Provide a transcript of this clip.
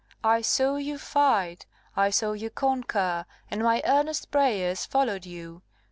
I saw you fight, I saw you conquer, and my earnest prayers followed you.